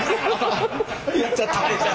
やっちゃった。